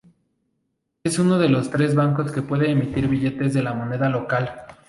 Es uno de los tres bancos que puede emitir billetes de la moneda local.